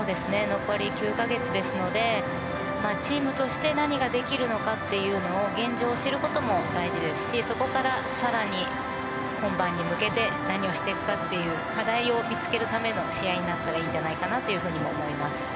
残り９か月ですのでチームとして何ができるのかという現状を知ることも大事ですしそこから更に本番に向けて何をしていくかという課題を見つけるための試合になったらいいんじゃないかなと思います。